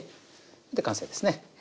で完成ですね。